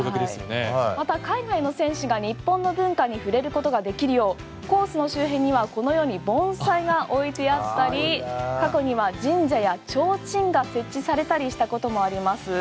また、海外の選手が日本の文化に触れることができるようコースの周辺にはこのように盆栽が置いてあったり過去には提灯が設置されたりしたこともあります。